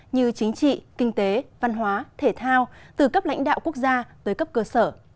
như chính trị kinh tế văn hóa thể thao từ cấp lãnh đạo quốc gia tới cấp cơ sở